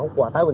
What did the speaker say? nhưng mà hồi hút